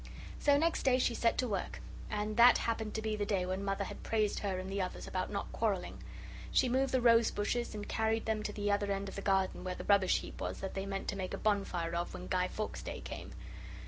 So next day she set to work, and that happened to be the day when Mother had praised her and the others about not quarrelling. She moved the rose bushes and carried them to the other end of the garden, where the rubbish heap was that they meant to make a bonfire of when Guy Fawkes' Day came.